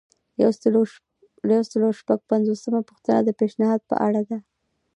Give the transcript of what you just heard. یو سل او شپږ پنځوسمه پوښتنه د پیشنهاد په اړه ده.